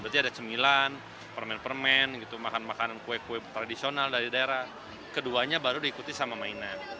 berarti ada cemilan permen permen makan makanan kue kue tradisional dari daerah keduanya baru diikuti sama mainan